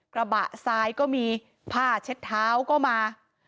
กระบะซ้ายก็มีผ้าเช็ดเท้าก็มา